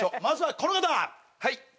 まずはこの方はい